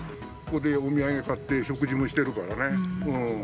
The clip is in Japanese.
ここでお土産買って、食事もしてるからね。